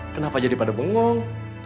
kenapa jadi pada bengong